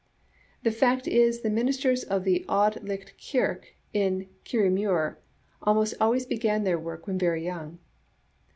The fact is the ministers of the Auld Licht kirk in Kir riemuir almost always began their work when very young.